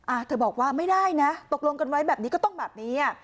เธอบอกว่าไม่ได้นะตกลงกันไว้แบบนี้ก็ต้องแบบนี้อ่ะ